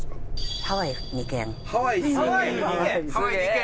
ハワイに２軒！？